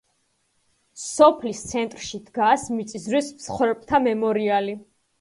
სოფლის ცენტრში დგას მიწისძვრის მსხვერპლთა მემორიალი.